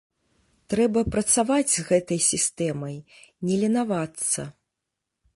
Трэба працаваць з гэтай сістэмай, не ленавацца.